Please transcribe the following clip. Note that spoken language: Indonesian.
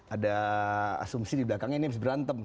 ada asumsi di belakangnya ini harus berantem